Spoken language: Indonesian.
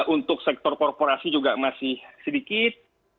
untuk sektor korporasi juga masih sedikit